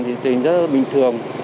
thì tình rất là bình thường